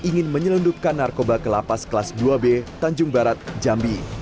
ingin menyelundupkan narkoba ke lapas kelas dua b tanjung barat jambi